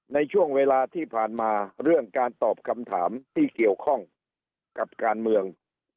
ในช่วงเวลาที่ผ่านมาเรื่องการตอบคำถามที่เกี่ยวข้องกับการเมือง